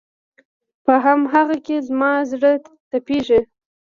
په هم هغه کې زما زړه تپېږي